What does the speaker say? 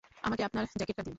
আমাকে আপনার জ্যাকেটটা দিন।